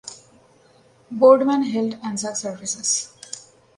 Boardman held Anzac services.